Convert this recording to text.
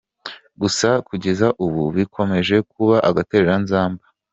Gusa kugeza ubu bikomeje kuba agatereranzamba.